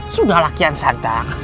sudahlah kian santak